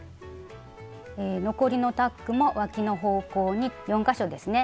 残りのタックもわきの方向に４か所ですね